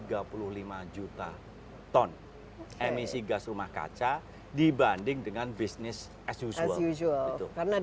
tiga puluh lima juta ton emisi gas rumah kaca dibanding dengan business as usual